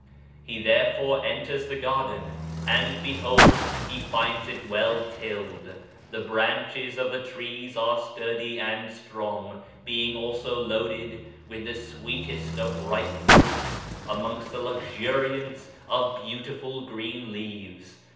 He, therefore, enters the garden, and behold he finds it well tilled ; the branches of the trees are sturdy and strong, being also loaded with the sweetest of ripe fruits amongst the luxuriance of beautiful green leaves.